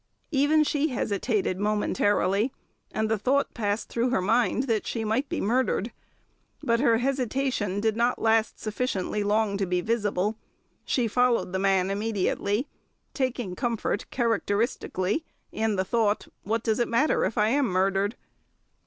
Even she hesitated momentarily, and the thought passed through her mind that she might be murdered. But her hesitation did not last sufficiently long to be visible; she followed the man immediately, taking comfort characteristically in the thought, "What does it matter if I am murdered?"